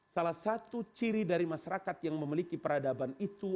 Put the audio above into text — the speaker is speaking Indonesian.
salah satu ciri dari masyarakat yang memiliki peradaban itu